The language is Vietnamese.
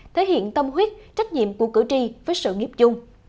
thể hiện tâm huyết trách nhiệm của cử tri với sự nghiệp chung